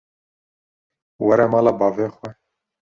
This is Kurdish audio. Were mala bavê xwe.